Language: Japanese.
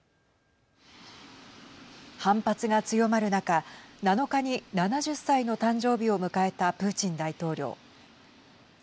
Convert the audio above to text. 反発が強まる中７日に７０歳の誕生日を迎えたプーチン大統領。